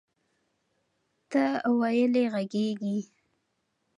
ته ویلې غږیږي؟